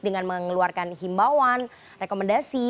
dengan mengeluarkan himbauan rekomendasi